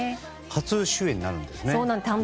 初主演になるんですね。